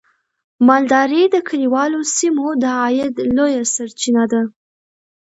مالداري د کليوالو سیمو د عاید لویه سرچینه ده.